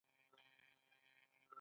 دوی هم خپلې سکې لرلې